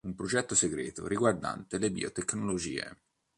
Un progetto segreto riguardante le biotecnologie.